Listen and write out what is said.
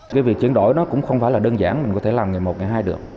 cái việc chuyển đổi nó cũng không phải là đơn giản mình có thể làm nghề một ngày hai được